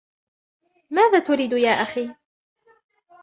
ماذا تريد يا أخي؟